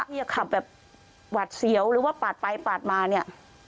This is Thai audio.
อย่าขับแบบหวัดเสียวหรือว่าปาดไปปาดมาเนี่ย